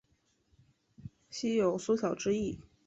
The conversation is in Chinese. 酉有缩小之意。